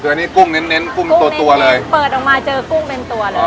คืออันนี้กุ้งเน้นเน้นกุ้งตัวตัวเลยเปิดออกมาเจอกุ้งเป็นตัวเลย